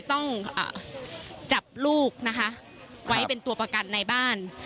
ต้องจับลูกนะคะไว้เป็นตัวประกันในบ้าน